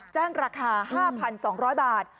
แจ้งราคา๕๒๐๐บาท